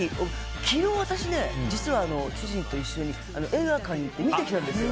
昨日、私主人と一緒に映画館に行って見てきたんですよ。